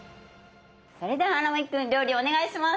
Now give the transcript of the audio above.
それでは荒牧君料理お願いします。